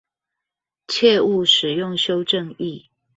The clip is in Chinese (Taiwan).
切勿使用修正液